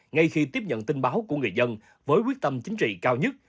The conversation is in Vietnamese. ngay khi tiếp nhận tin báo của người dân với quyết tâm chính trị cao nhất